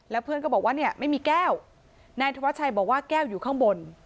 เพื่อนก็บอกว่าเนี่ยไม่มีแก้วนายธวัชชัยบอกว่าแก้วอยู่ข้างบน